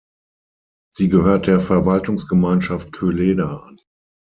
Sie gehört der Verwaltungsgemeinschaft Kölleda an.